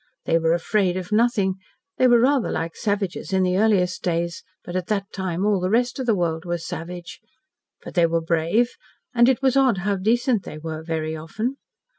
They were afraid of nothing. They were rather like savages in the earliest days, but at that time all the rest of the world was savage. But they were brave, and it was odd how decent they were very often.